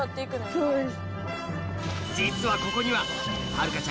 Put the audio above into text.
そうです。